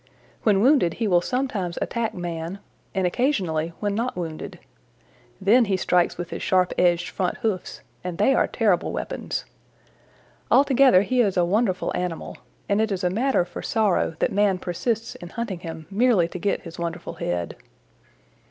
When wounded he will sometimes attack man, and occasionally when not wounded. Then he strikes with his sharp edged front hoofs, and they are terrible weapons. Altogether he is a wonderful animal, and it is a matter for sorrow that man persists in hunting him merely to get his wonderful head.